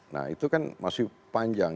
nah itu kan masih panjang